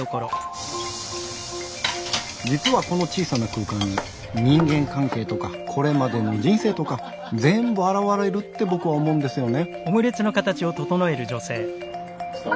実はこの小さな空間に人間関係とかこれまでの人生とか全部表れるって僕は思うんですよね。